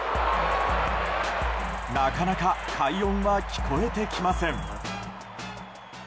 なかなか快音は聞こえてきません。